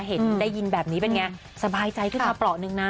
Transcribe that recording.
เห็นได้ยินแบบนี้เป็นไงสบายใจขึ้นมาเปราะหนึ่งนะ